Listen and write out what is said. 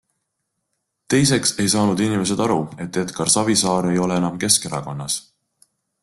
Teiseks ei saanud inimesed aru, et Edgar Savisaar ei ole enam Keskerakonnas.